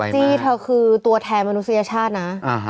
จี้เธอคือตัวแทนมนุษยชาตินะ